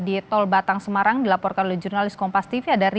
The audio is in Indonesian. di tol batang semarang dilaporkan oleh jurnalis kompas tv